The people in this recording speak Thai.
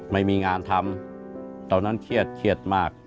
ไม่มีงานทำตอนนั้นเครียดเครียดมาก